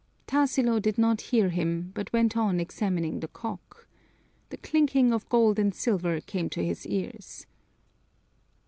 Tarsilo did not hear him, but went on examining the cock. The clinking of gold and silver came to his ears.